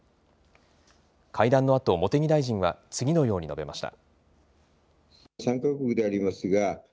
会談のあと、茂木大臣は次のように述べました。